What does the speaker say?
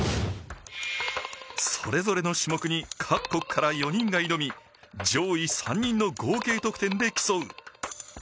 それぞれの種目に各国から４人が挑み上位３人の合計得点で競う。